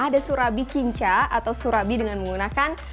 ada surabi kinca atau surabi dengan menggunakan